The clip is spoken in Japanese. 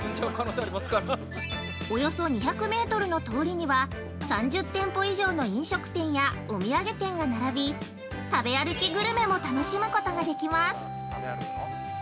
およそ２００メートルの通りには３０店舗以上の飲食店やお土産店が並び、食べ歩きグルメも楽しむことができます。